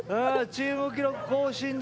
チーム記録更新で。